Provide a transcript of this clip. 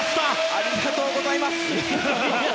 ありがとうございます！